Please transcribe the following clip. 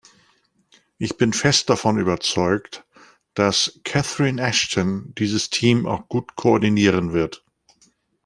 Ich bin fest davon überzeugt, dass Catherine Ashton dieses Team auch gut koordinieren wird.